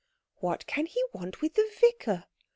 "What can he want with the vicar?"